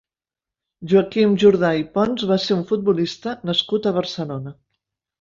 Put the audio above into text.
Joaquim Jordà i Pons va ser un futbolista nascut a Barcelona.